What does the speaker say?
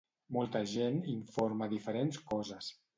Molta gent informa diferents coses.